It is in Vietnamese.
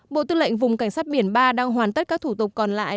bộ tư lệnh vùng cảnh sát biển ba đang hoàn tất các thủ tục còn lại